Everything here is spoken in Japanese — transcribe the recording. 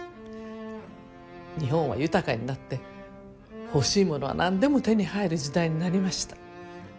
日本は豊かになって欲しいものは何でも手に入る時代になりました。